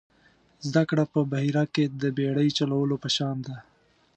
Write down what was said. زده کړه په بحیره کې د بېړۍ چلولو په شان ده.